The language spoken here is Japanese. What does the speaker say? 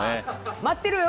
待ってろよ！